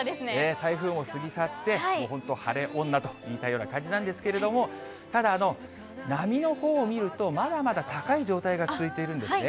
台風も過ぎ去って、本当、晴れ女と言いたいような感じなんですけれども、ただ、波のほうを見ると、まだまだ高い状態が続いているんですね。